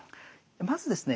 まずですね